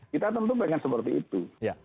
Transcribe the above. kita tentu pengen seperti itu